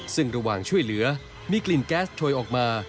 ซึ่งระหว่างช่วยเหลือมีกลิ่นแก๊สโชยออกมา